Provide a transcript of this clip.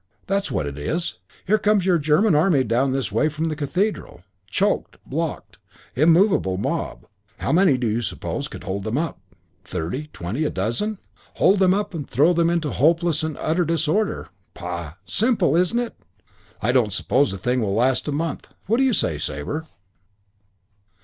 That's what it is. Here comes your German army down this way from the cathedral. Choked. Blocked. Immovable mob. How many do you suppose could hold them up? Thirty, twenty, a dozen. Hold them up and throw them into hopeless and utter disorder. Pah! Simple, isn't it? I don't suppose the thing will last a month. What do you say, Sabre?"